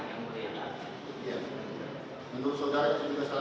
menurut saudara ini juga salah satu keanehan